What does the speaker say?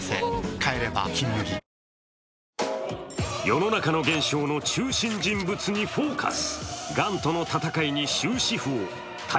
帰れば「金麦」世の中の現象の中心人物に「ＦＯＣＵＳ」。